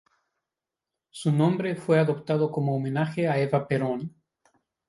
Su nombre fue adoptado como homenaje a Eva Perón.